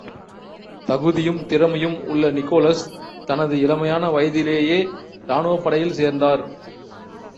தகுதியும், திறமையும் உள்ள நிகோலஸ், தனது இளமையான வயதிலேயே ராணுவப் படையில் சேர்ந்தார்.